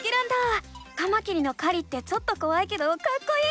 カマキリの狩りってちょっとこわいけどかっこいい！